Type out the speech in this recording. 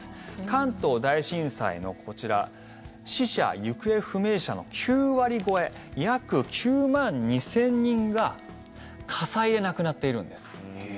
関東大震災の、こちら死者・行方不明者の９割超え約９万２０００人が火災で亡くなっているんです。